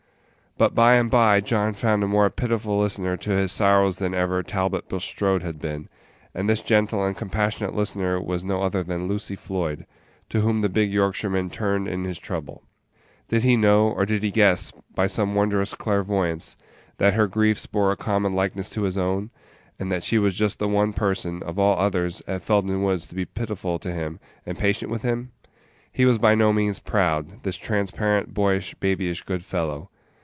But by and by John found a more pitiful listener to his sorrows than ever Talbot Bulstrode had been, and this gentle and compassionate listener was no other than Lucy Floyd, to whom the big Yorkshireman turned in his trouble. Did he know, or did he guess, by some wondrous clairvoyance, that her griefs bore a common likeness to his own, and that she was just the one person, of all others, at Felden Woods to be pitiful to him and patient with him? He was by no means proud, this transparent, boyish, babyish good fellow.